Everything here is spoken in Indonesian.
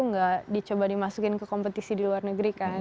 nggak dicoba dimasukin ke kompetisi di luar negeri kan